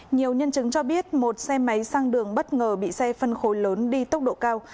nhiều nhân chứng cho biết một xe máy sang đường bất ngờ bị xe phân khối lớn đi tốc độ cao